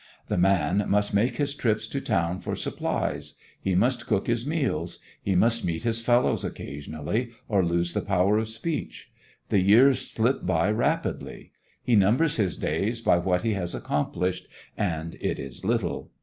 The man must make his trips to town for supplies. He must cook his meals. He must meet his fellows occasionally, or lose the power of speech. The years slip by rapidly. He numbers his days by what he has accomplished; and it is little.